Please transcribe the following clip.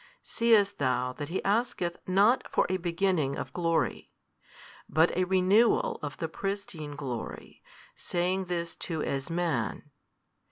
Seest thou that He asketh not for a beginning of glory, but a renewal of the pristine glory, saying this too as Man?